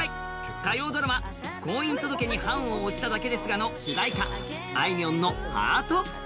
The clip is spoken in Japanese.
火曜ドラマ「婚姻届に判を捺しただけですが」の主題歌、あいみょんの「ハート」。